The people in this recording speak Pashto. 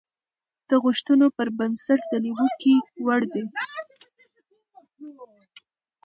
د غوښتنو پر بنسټ د نيوکې وړ دي.